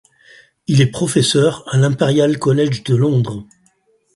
Il est professeur à l'Imperial College de Londres.